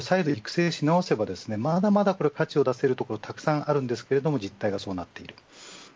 再度育成し直せばまだまだ価値を出せるところたくさんあるんですけども実態はそうなっている。